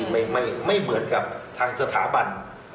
ไม่เหมือนกับทางสถาบัน